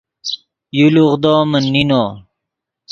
یو لوغدو من نینو